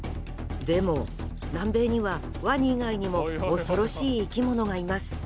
でも南米にはワニ以外にも恐ろしい生き物がいます。